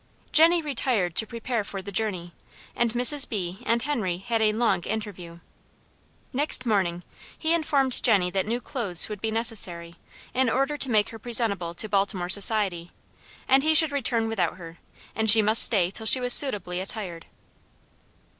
Jenny retired to prepare for the journey, and Mrs. B. and Henry had a long interview. Next morning he informed Jenny that new clothes would be necessary, in order to make her presentable to Baltimore society, and he should return without her, and she must stay till she was suitably attired.